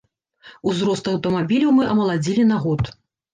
Узрост аўтамабіляў мы амаладзілі на год.